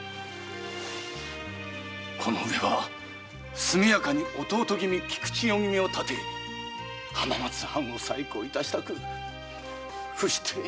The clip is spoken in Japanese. このうえはすみやかに弟君・菊千代君を立て浜松藩を再興いたしたく伏してお願い奉ります。